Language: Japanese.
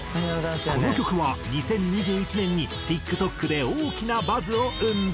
この曲は２０２１年にＴｉｋＴｏｋで大きなバズを生んだ。